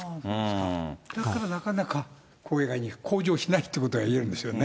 だからなかなか、こういう具合に向上しないということが言えるんですよね。